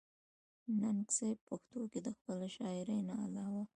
ننګ صېب پښتو کښې َد خپلې شاعرۍ نه علاوه